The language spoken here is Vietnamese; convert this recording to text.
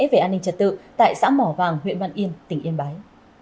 về an ninh trật tự tại xã mỏ vàng huyện văn yên tỉnh yên bái